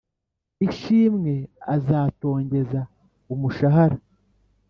ishimwe azatongeza umushahara